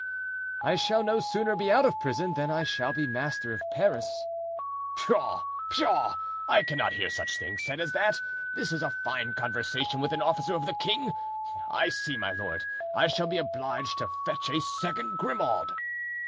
"I shall no sooner be out of prison than I shall be master of Paris." "Pshaw! pshaw! I cannot hear such things said as that; this is a fine conversation with an officer of the king! I see, my lord, I shall be obliged to fetch a second Grimaud!"